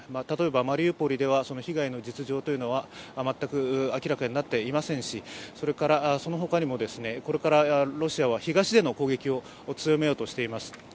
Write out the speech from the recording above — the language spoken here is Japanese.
例えば、マリウポリでは被害の実情は全く明らかになっていませんし、その他にも、これからロシアは東での攻撃を強めようとしています。